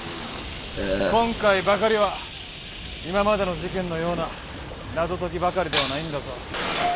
今回ばかりは今までの事件のような謎解きばかりではないんだぞ。